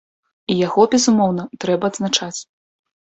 І яго, безумоўна, трэба адзначаць.